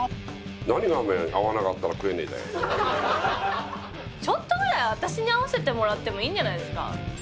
何がおめえちょっとぐらい私に合わせてもらってもいいんじゃないですか？